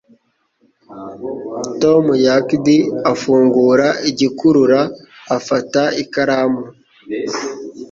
Tom yanked afungura igikurura afata ikaramu.